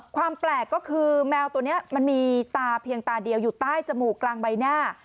ความแปลกก็คือแมวตัวนี้มันมีตาเพียงตาเดียวอยู่ใต้จมูกกลางใบหน้า